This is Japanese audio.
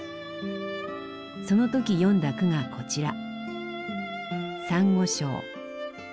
その時詠んだ句がこちら。